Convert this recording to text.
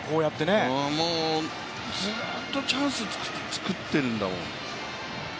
もうずっとチャンス作ってるんだもん。